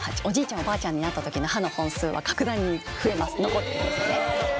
おばあちゃんになった時の歯の本数は格段に増えます。